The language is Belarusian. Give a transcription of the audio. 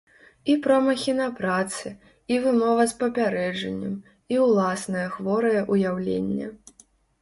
І промахі на працы, і вымова з папярэджаннем, і ўласнае хворае ўяўленне.